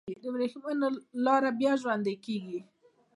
د وریښمو لاره بیا ژوندی کیږي؟